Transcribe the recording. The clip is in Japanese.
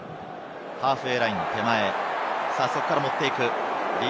ハーフウェイラインの手前。